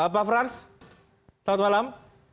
pak frans selamat malam